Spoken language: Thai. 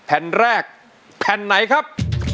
แผ่นแรกแผ่นไหนครับ